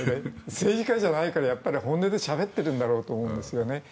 政治家じゃないから、やっぱり本音でしゃべっているんだと思うんですよね。